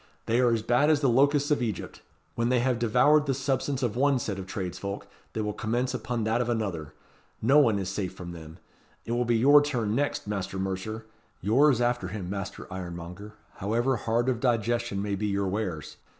"They are as bad as the locusts of Egypt. When they have devoured the substance of one set of tradesfolk they will commence upon that of another. No one is safe from them. It will be your turn next, Master Mercer. Yours after him, Master Ironmonger, however hard of digestion may be your wares.